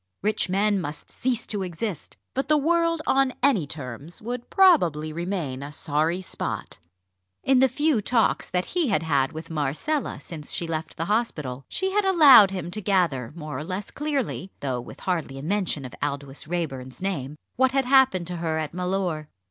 Rich men must cease to exist; but the world on any terms would probably remain a sorry spot. In the few talks that he had had with Marcella since she left the hospital, she had allowed him to gather more or less clearly though with hardly a mention of Aldous Raeburn's name what had happened to her at Mellor.